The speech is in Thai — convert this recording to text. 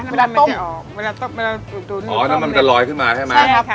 เวลาต้มเวลาต้มเวลาตุ๋นอ๋อน้ำมันจะลอยขึ้นมาใช่ไหมใช่ครับ